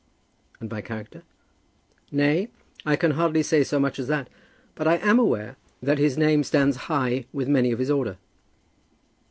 "And by character?" "Nay; I can hardly say so much as that. But I am aware that his name stands high with many of his order."